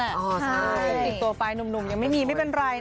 นะครับเต้ยสุดตัวไปนุ่มยังไม่มีมัยเป็นไรนะครับ